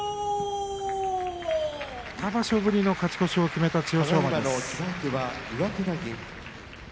２場所ぶりの勝ち越しを決めた千代翔馬。